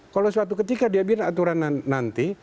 kalau suatu ketika dia bikin aturan nanti